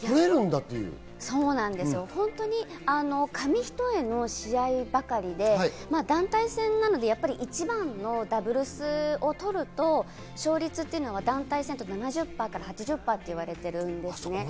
紙一重の試合ばかりで団体戦なので１番のダブルスを取ると、勝率は団体戦で７０％から８０％と言われているんです。